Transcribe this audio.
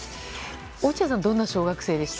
落合さん、どんな小学生でした？